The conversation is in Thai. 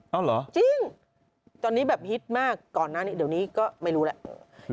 เอาเหรอจริงตอนนี้แบบฮิตมากก่อนหน้านี้เดี๋ยวนี้ก็ไม่รู้แหละ